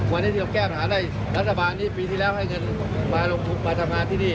วันนี้ที่เราแก้ปัญหาได้รัฐบาลนี้ปีที่แล้วให้เงินมาลงทุนมาทำงานที่นี่